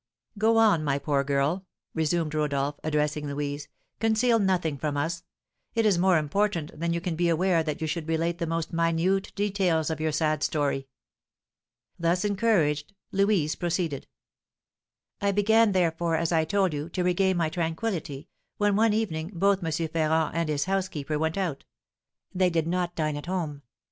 "Go on, my poor girl," resumed Rodolph, addressing Louise; "conceal nothing from us: it is more important than you can be aware that you should relate the most minute details of your sad story." Thus encouraged, Louise proceeded: "I began, therefore, as I told you, to regain my tranquillity, when one evening both M. Ferrand and his housekeeper went out. They did not dine at home.